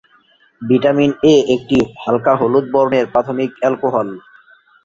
Vitamin A একটি হালকা হলুদ বর্ণের প্রাথমিক অ্যালকোহল।